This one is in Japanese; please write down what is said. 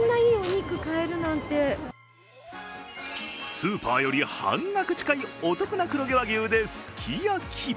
スーパーより半額近いお得な黒毛和牛で、すき焼き。